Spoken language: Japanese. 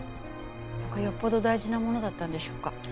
よっぽど大事なものだったんでしょうか？